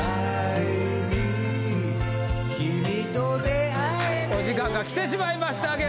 お時間が来てしまいました。